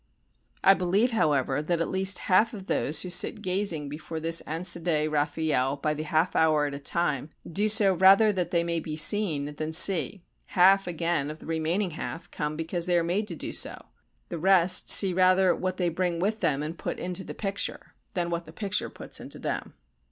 I believe, however, that at least half of those who sit gazing before this Ansidei Raffaelle by the half hour at a time do so rather that they may be seen than see; half, again, of the remaining half come because they are made to do so, the rest see rather what they bring with them and put into the picture than what the picture puts into them.